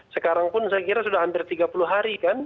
sekarang pun saya kira sudah hampir tiga puluh hari kan